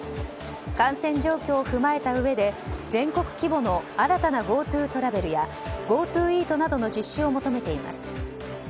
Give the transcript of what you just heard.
感染状況を踏まえて全国に新たなＧｏＴｏトラベルやＧｏＴｏイートなどの実施を求めています。